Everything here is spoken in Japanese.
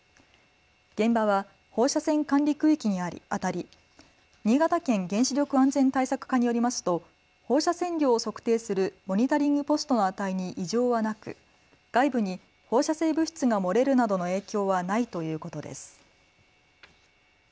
現場は放射線管理区域にあたり新潟県原子力安全対策課によりますと放射線量を測定するモニタリングポストの値に異常はなく外部に放射性物質が漏れるなどの影響はないということです。